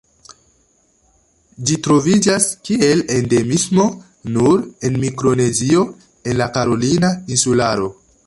Ĝi troviĝas kiel endemismo nur en Mikronezio en la Karolina insularo.